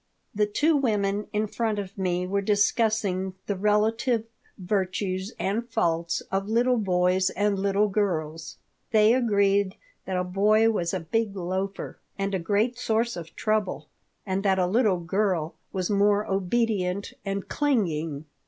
The two women in front of me were discussing the relative virtues and faults of little boys and little girls. They agreed that a boy was a "big loafer" and a great source of trouble, and that a little girl was more obedient and clinging.